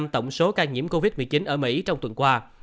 tổng số ca nhiễm covid một mươi chín ở mỹ trong tuần qua